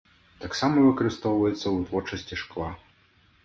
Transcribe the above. Таксама выкарыстоўваецца ў вытворчасці шкла.